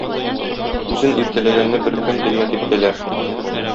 Үзен иркәләгәнне бер көн дөнья типкәләр.